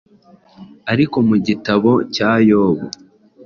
Ariko mu gitabo cya Yobu,